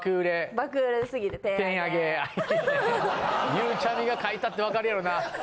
ゆうちゃみが書いたってわかるやろな。